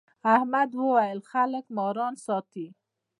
احمد وويل: خلک ماران ساتي.